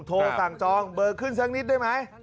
โทรสั่งจองเบอร์ขึ้นสักนิดได้ไหม